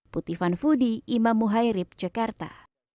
puti fanfudi imam muhairib jakarta